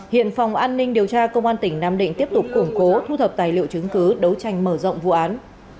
hiện phòng an ninh điều tra công an tỉnh nam định tiếp tục củng cố thu thập tài liệu chứng cứ đấu tranh mở rộng vụ án